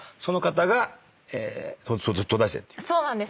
そうなんです。